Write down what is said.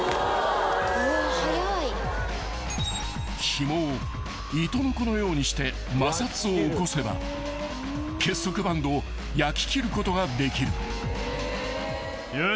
［ひもを糸のこのようにして摩擦を起こせば結束バンドを焼き切ることができる］あ。